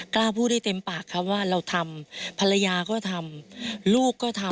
กล้าพูดได้เต็มปากครับว่าเราทำภรรยาก็ทำลูกก็ทำ